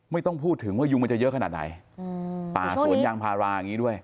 ไม่ต้องพูดถึงว่ายุงมันจะเยอะขนาดไหนป่าสวนยางพาราอย่างนี้ด้วย